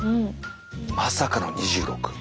まさかの２６。